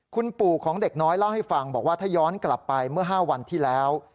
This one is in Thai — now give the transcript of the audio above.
คุณปู่ของเด็กน้อยเล่าให้ฟังบอกว่าถ้าย้อนกลับไปเมื่อ๕วันที่แล้ว